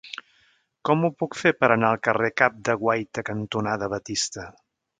Com ho puc fer per anar al carrer Cap de Guaita cantonada Batista?